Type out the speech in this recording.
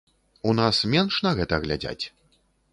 У нас менш на гэта глядзяць?